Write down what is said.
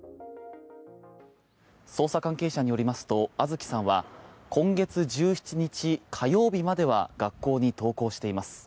捜査関係者によりますと杏月さんは今月１７日、火曜日までは学校に登校しています。